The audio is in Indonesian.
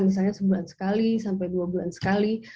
misalnya sebulan sekali sampai dua bulan sekali